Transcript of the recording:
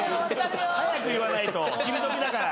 早く言わないと昼時だから。